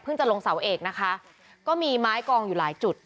จะลงเสาเอกนะคะก็มีไม้กองอยู่หลายจุด